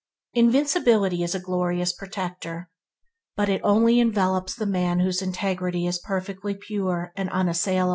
Invincibility is a glorious protector, but it only envelopes the man whose integrity is perfectly pure and unassailable.